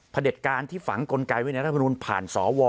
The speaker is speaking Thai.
เด็จการที่ฝังกลไกไว้ในรัฐมนุนผ่านสว